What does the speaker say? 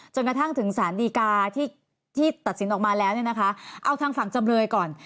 จนกระทั่งถึงสารดีกาที่ตัดสินออกมาแล้วเนี่ยนะคะเอาทางฝั่งจำเลยก่อน